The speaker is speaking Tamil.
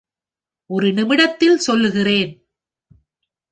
ஒரு நிமிடத்தில் சொல்கிறேன்.